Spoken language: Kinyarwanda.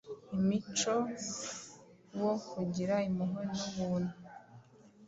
imico wo kugira impuhwe n’ubuntu